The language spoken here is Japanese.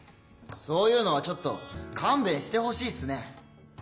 そういうのはちょっとかんべんしてほしいっすね。